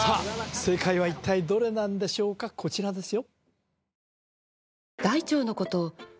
正解は一体どれなんでしょうかこちらですよ